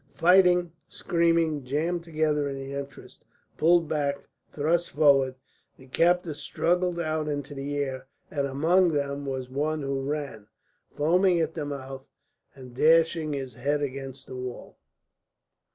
Fighting, screaming, jammed together in the entrance, pulled back, thrust forwards, the captives struggled out into the air, and among them was one who ran, foaming at the mouth, and dashed his head against the wall.